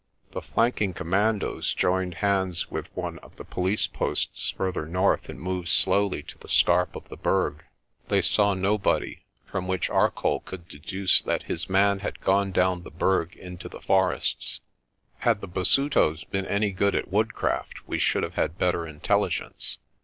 The flanking commandoes joined hands with one of the police posts further north and moved slowly to the scarp of the Berg. They saw nobody; from which Arcoll could deduce that his man had gone down the Berg into the forests. 224 PRESTER JOHN Had the Basutos been any good at woodcraft we should have had better intelligence.